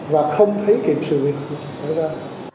và không thấy kịp sự việc xảy ra